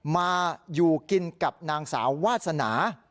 มาอยู่กินกับนางสาววาสนา